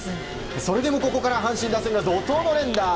それでもここから阪神打線が怒涛の連打。